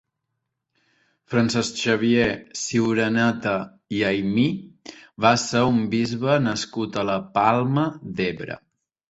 Francesc Xavier Ciuraneta i Aymí va ser un bisbe nascut a la Palma d'Ebre.